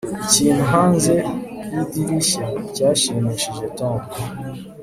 ikintu hanze yidirishya cyashimishije tom